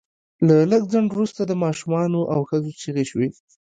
له لږ ځنډ وروسته د ماشومانو او ښځو چیغې شوې